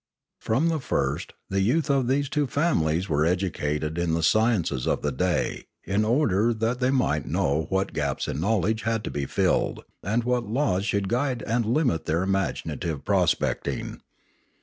From the first the youth of these two families were educated in the sciences of the day in order that they might know what gaps in knowledge had to be filled, and what laws should guide and limit their imaginative prospecting.